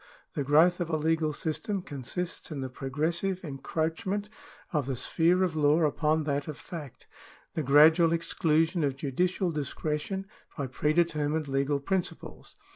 The growth of a legal system consists in the progressive encroachment of the sphere of law upon that of fact, the gradual exclusion of judicial discretion by pre determined legal principles.